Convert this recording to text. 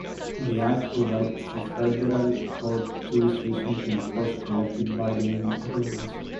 The act provided for federal court jurisdiction to enforce collective bargaining agreements.